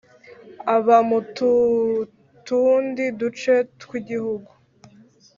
aba mututundi duce tw’ igihugu .